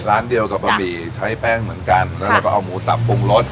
ร้านเดียวกับบะหมี่ใช้แป้งเหมือนกันแล้วเราก็เอาหมูสับปรุงรส